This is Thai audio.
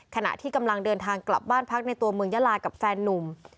ขณะที่กำลังเดินทางกลับบ้านพักในตัวเมืองยาลากับแฟนนุ่ม